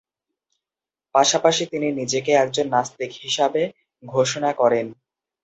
পাশাপাশি তিনি নিজেকে একজন নাস্তিক হিসাবে ঘোষণা করেন।